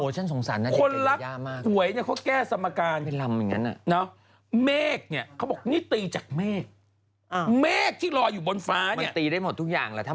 ใช่ยีนสีผิวมันไง